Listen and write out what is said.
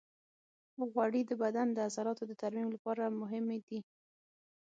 غوړې د بدن د عضلاتو د ترمیم لپاره هم مهمې دي.